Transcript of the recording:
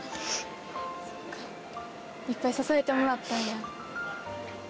いっぱい支えてもらったんや。